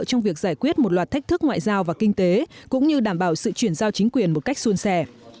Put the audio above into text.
trong việc giải quyết một loạt thách thức ngoại giao và kinh tế cũng như đảm bảo sự chuyển giao chính quyền một cách xuân sẻ